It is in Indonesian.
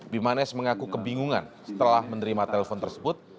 bimanes mengaku kebingungan setelah menerima telpon tersebut